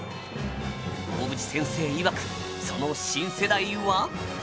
大渕先生いわくその新世代は。